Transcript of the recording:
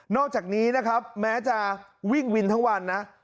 อกจากนี้นะครับแม้จะวิ่งวินทั้งวันนะ